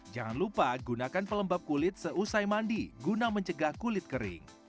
jangan lupa gunakan pelembab kulit seusai mandi guna mencegah kulit kering